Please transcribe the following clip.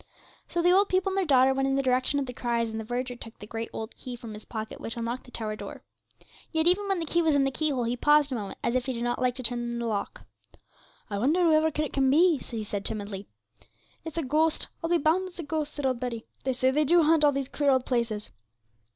So the old people and their daughter went in the direction of the cries, and the verger took the great old key from his pocket which unlocked the tower door. Yet even when the key was in the key hole he paused a moment, as if he did not like to turn it in the lock. 'I wonder whoever it can be,' he said timidly. 'It's a ghost; I'll be bound it's a ghost,' said old Betty; 'they say they do haunt all these queer old places.'